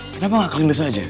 kenapa gak kalendis aja